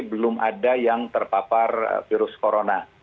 belum ada yang terpapar virus corona